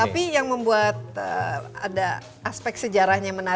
tapi yang membuat ada aspek sejarahnya menarik